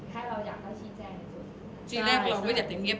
หรือถ้าเกิดสมมุติเขาเงียบไปเลยเราก็จะเก่งเงียบ